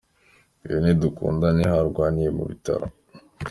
Uyu ni Dukundane aho arwariye mu bitaro.